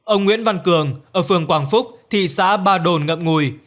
ông nguyễn văn cường ở phường quảng phúc thị xã ba đồn ngậm ngùi